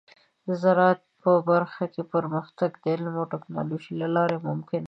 د زراعت په برخه کې پرمختګ د علم او ټیکنالوجۍ له لارې ممکن دی.